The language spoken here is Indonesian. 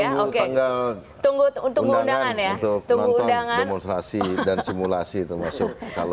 iya kita tunggu tanggal undangan untuk nonton demonstrasi dan simulasi termasuk kalau perlu auditnya